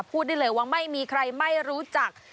พูดได้เลยว่าไม่มีใครไม่รู้จัก